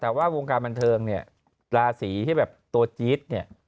แต่ว่าวงการบันเทิงเนี่ยราศีที่แบบตัวจี๊ดเนี่ย